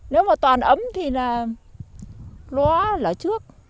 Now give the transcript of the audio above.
nếu mà toàn ấm thì nó là trước